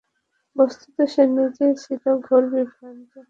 বস্তুত সে নিজেই ছিল ঘোর বিভ্রান্ত।